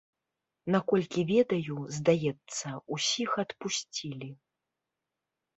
Наколькі ведаю, здаецца, усіх адпусцілі.